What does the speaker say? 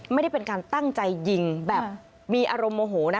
ไม่ได้เป็นการตั้งใจยิงแบบมีอารมณ์โมโหนะ